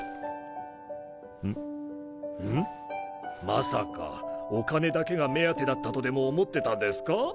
まさかお金だけが目当てだったとでも思ってたんですか？